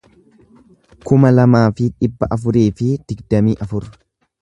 kuma lamaa fi dhibba afurii fi digdamii afur